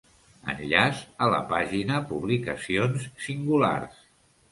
Enllaç a la pàgina Publicacions singulars.